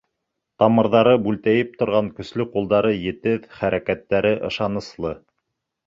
Тамырҙары бүлтәйеп торған көслө ҡулдары етеҙ, хәрәкәттәре ышаныслы.